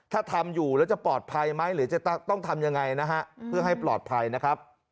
ถ้าทำอยู่แล้วจะปลอดภัยไหมหรือจะต้องทำยังไงนะฮะเพื่อให้ปลอดภัยนะครับ